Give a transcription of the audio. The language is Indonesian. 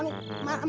ini enak pun